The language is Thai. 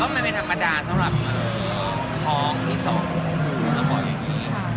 มันไม่เป็นธรรมดาสำหรับทองที่๒แล้วก็แบบนี้